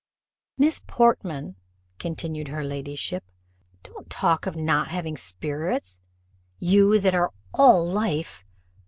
"Miss Portman," continued her ladyship, "don't talk of not having spirits, you that are all life!